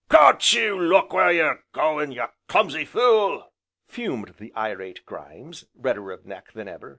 "Can't you look where you're going? you clumsy fool!" fumed the irate Grimes, redder of neck than ever.